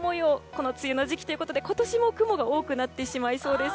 この梅雨の時期ということで今年も雲が多くなってしまいそうです。